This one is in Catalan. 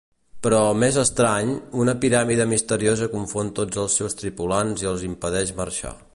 Però més estrany, una piràmide misteriosa confon tots els seus tripulants i els impedeix marxar.